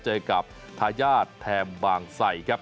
เจอกับทายาทแถมบางไสครับ